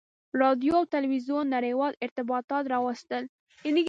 • راډیو او تلویزیون نړیوال ارتباطات راوستل.